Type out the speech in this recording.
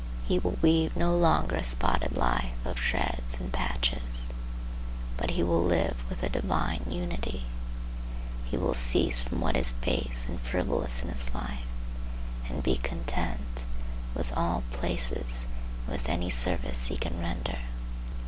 He will weave no longer a spotted life of shreds and patches, but he will live with a divine unity. He will cease from what is base and frivolous in his life and be content with all places and with any service he can render.